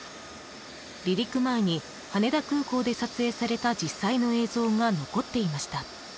離陸前に羽田空港で撮影された実際の映像が残っていました。